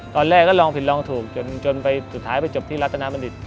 ตอนแรกก็ลองผิดลองถูกจนไปสุดท้ายไปจบที่รัฐนาบัณฑิต